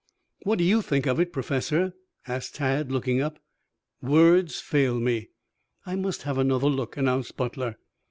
"What do you think of it, Professor?" asked Tad, looking up. "Words fail me." "I must have another look," announced Butler.